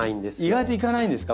意外といかないんですか？